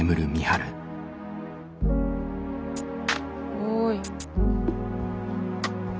おい。